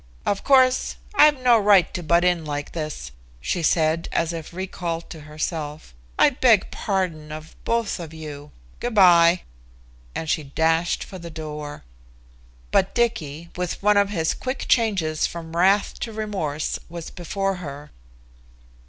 "Of course, I've no right to butt in like this," she said, as if recalled to herself. "I beg pardon of both of you. Good by," and she dashed for the door. But Dicky, with one of his quick changes from wrath to remorse, was before her.